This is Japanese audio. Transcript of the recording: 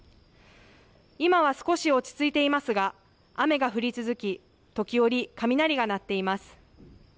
今は少し落ち着いていますが雨が降り続き時折、雷が鳴っています。